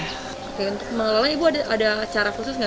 oke untuk mengelola ibu ada cara khusus nggak